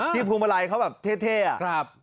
ที่พวงมารัยเขาแบบเท่อะ